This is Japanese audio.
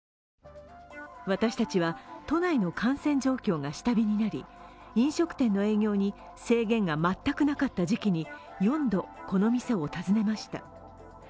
私たちは都内の感染状況が下火になり飲食店の営業に制限が全くなかった時期に４度この店を訪ねました。